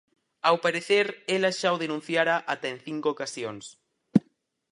Ao parecer ela xa o denunciara ata en cinco ocasións.